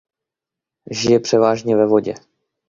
Žije převážně ve vodě.